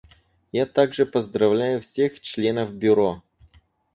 Я также поздравляю всех членов Бюро.